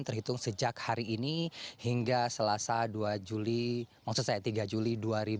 terhitung sejak hari ini hingga selasa tiga juli dua ribu delapan belas